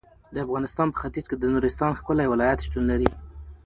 د افغانستان په ختیځ کې د نورستان ښکلی ولایت شتون لري.